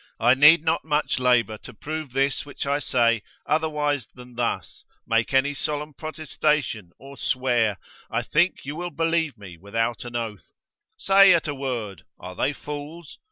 I need not much labour to prove this which I say otherwise than thus, make any solemn protestation, or swear, I think you will believe me without an oath; say at a word, are they fools?